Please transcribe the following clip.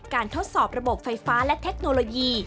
ทดสอบระบบไฟฟ้าและเทคโนโลยี